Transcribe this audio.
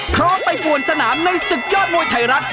พร้อมไปป่วนสนามในศึกยอดมวยไทยรัฐ